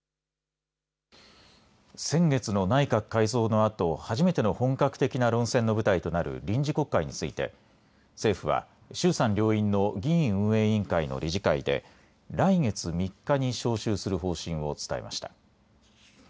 先月の内閣改造のあと初めての本格的な論戦の舞台となる臨時国会について政府は衆参両院の議院運営委員会の理事会で来月３日に召集する方針を伝えました。